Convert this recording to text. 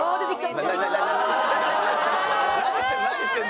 何してんの？